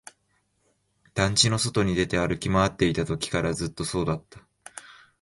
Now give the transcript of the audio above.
団地の外に出て、歩き回っていたときからずっとそうだった